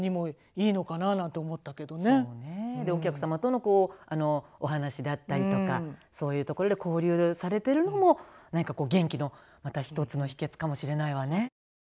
お客様とのお話だったりとかそういうところで交流されてるのも何かこう元気のまた一つの秘けつかもしれないわね。